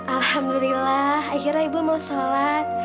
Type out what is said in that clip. alhamdulillah akhirnya ibu mau sholat